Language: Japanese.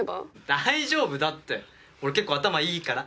大丈夫だって俺結構頭いいから。